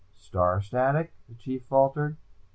"Star static?" the Chief faltered.